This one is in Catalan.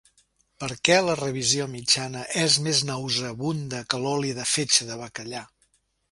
Per què, la revisió mitjana és més nauseabunda que l'oli de fetge de bacallà.